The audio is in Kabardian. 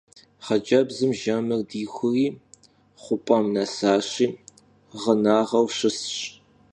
Xhıcebzım jjemır dixuri xhup'em nesaşi ğınaneu şısş.